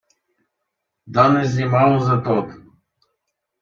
Dann ist sie mausetot.